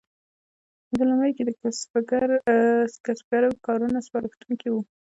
په لومړیو کې د کسبګرو کارونه سپارښتونکي وو.